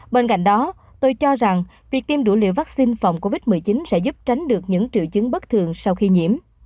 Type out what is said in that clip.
bên cạnh đó tôi cho rằng việc tiêm đủ liều vaccine phòng covid một mươi chín sẽ giúp tránh được những triệu chứng bất thường sau khi nhiễm